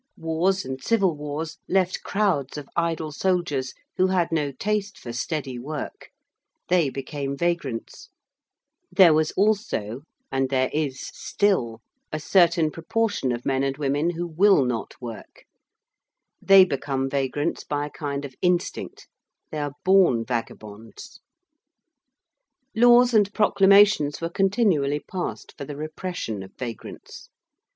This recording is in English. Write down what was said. Wars and civil wars left crowds of idle soldiers who had no taste for steady work: they became vagrants: there was also and there is still a certain proportion of men and women who will not work: they become vagrants by a kind of instinct: they are born vagabonds. Laws and proclamations were continually passed for the repression of vagrants.